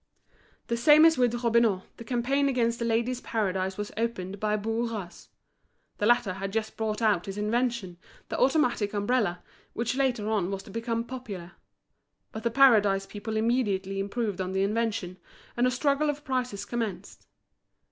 The same as with Robineau, the campaign against The Ladies' Paradise was opened by Bourras. The latter had just brought out his invention, the automatic umbrella, which later on was to become popular. But The Paradise people immediately improved on the invention, and a struggle of prices commenced.